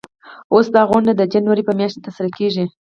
اوس دا غونډه د جنوري په میاشت کې ترسره کیږي.